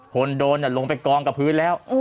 คนโดนลงไปกองกับพื้นแล้ว